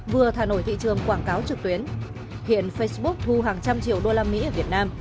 vừa thả nổi thị trường quảng cáo trực tuyến hiện facebook thu hàng trăm triệu đô la mỹ ở việt nam